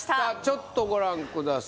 ちょっとご覧ください